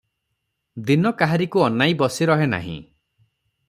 ଦିନ କାହାରିକୁ ଅନାଇ ବସିରହେ ନାହିଁ ।